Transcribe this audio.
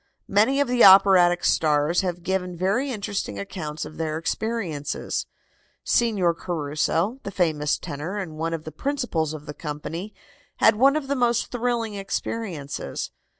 Many of the operatic stars have given very interesting accounts of their experiences. Signor Caruso, the famous tenor and one of the principals of the company, had one of the most thrilling experiences.